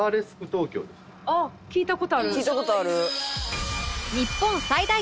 あっ聞いた事ある。